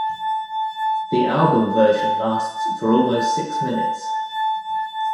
The album version lasts for almost six minutes.